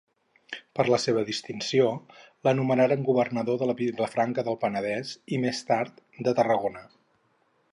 Per la seva distinció, l’anomenaren governador de Vilafranca del Penedès i, més tard, de Tarragona.